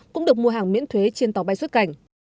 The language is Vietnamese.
cũng được mua hàng miễn thuế trên tàu bay xuất cảnh